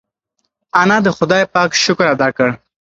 انا د خدای پاک شکر ادا کړ.